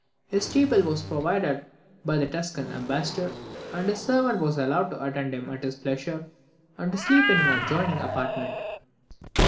His table was provided by the Tuscan ambassador, and his servant was allowed to attend him at his pleasure, and to sleep in an adjoining apartment.